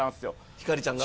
ひかりちゃんが？